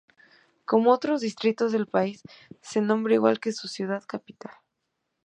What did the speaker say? Como otros distritos del país, se nombra igual que su ciudad capital.